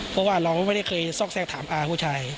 เพราะว่าเราก็ไม่ได้เคยซอกแทรกถามอาผู้ชาย